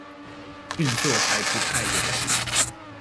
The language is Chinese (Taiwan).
運作還不太了解